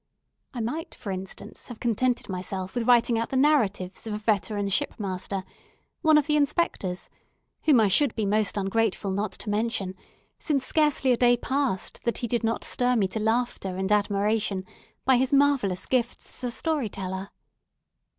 I might, for instance, have contented myself with writing out the narratives of a veteran shipmaster, one of the Inspectors, whom I should be most ungrateful not to mention, since scarcely a day passed that he did not stir me to laughter and admiration by his marvelous gifts as a story teller.